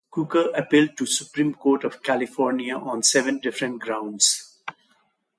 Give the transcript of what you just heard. Crooker appealed to the Supreme Court of California on seven different grounds.